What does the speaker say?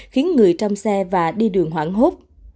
khiến người trong xe và đi đường hoảng hốt